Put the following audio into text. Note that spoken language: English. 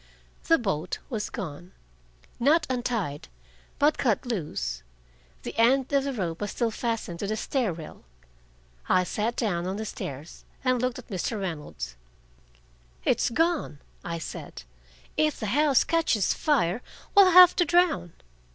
The boat was gone, not untied, but cut loose. The end of the rope was still fastened to the stair rail. I sat down on the stairs and looked at Mr. Reynolds. "It's gone!" I said. "If the house catches fire, we'll have to drown."